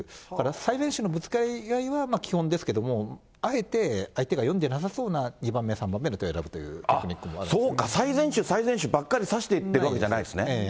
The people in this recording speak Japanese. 最善手のぶつかり合いは基本ですけども、あえて相手が読んでなさそうな２番目、３番目の手を選ぶというテクニッそうか、最善手、最善手ばっかで指していってるわけじゃないんですね。